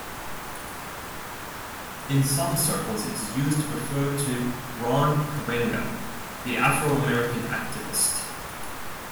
In some circles it is used to refer to Ron Karenga, the Afro-American activist.